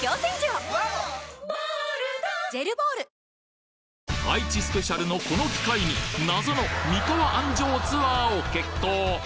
・立派な駅・愛知スペシャルのこの機会に謎の三河安城ツアーを決行！